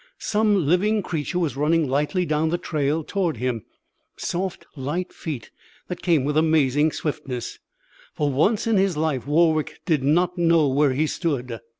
Some living creature was running lightly down the trail toward him soft, light feet that came with amazing swiftness. For once in his life Warwick did not know where he stood.